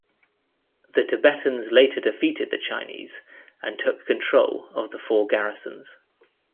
The Tibetans later defeated the Chinese and took control of the Four Garrisons.